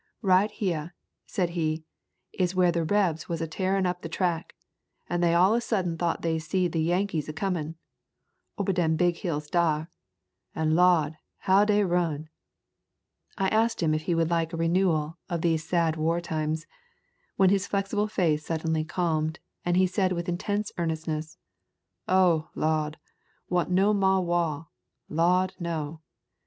"Right heah," said he, "is where the Rebs was a tearin' up the track, and they all a sudden thought they seed the Yankees a comin', obah dem big hills dar, and Lo'd, how dey run." I asked him if he would like a renewal of these sad war times, when his flexible face suddenly calmed, and he said with intense earnestness, "Oh, Lo'd, want no mo wa, Lo'd no."